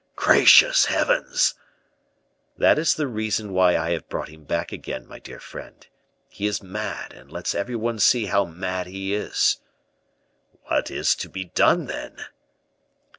"Gracious heavens!" "That is the reason why I have brought him back again, my dear friend. He is mad and lets every one see how mad he is." "What is to be done, then?"